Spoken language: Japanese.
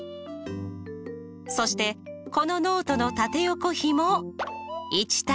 そしてこのノートの縦横比も１対。